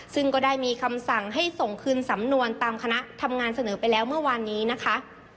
ซึ่งก็ได้มีคำสั่งให้ส่งคืนสำนวนตามคณะทำงานเสนอไปแล้วเมื่อวานนี้นะคะ